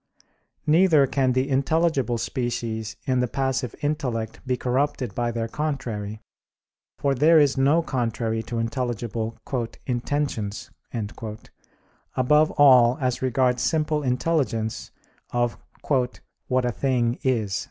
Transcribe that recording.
Neither can the intelligible species in the passive intellect be corrupted by their contrary; for there is no contrary to intelligible "intentions," above all as regards simple intelligence of "what a thing is."